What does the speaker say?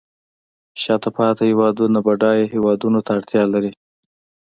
شاته پاتې هیوادونه بډایه هیوادونو ته اړتیا لري